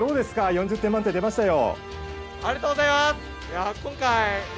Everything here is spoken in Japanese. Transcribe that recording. ４０点満点出ましたよ。